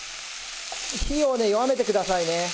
火をね弱めてくださいね。